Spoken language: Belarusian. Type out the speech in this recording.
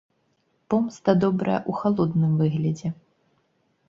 Помста добрая ў халодным выглядзе.